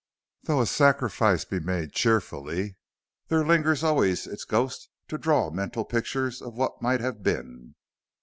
Though a sacrifice be made cheerfully, there lingers always its ghost to draw mental pictures of "what might have been."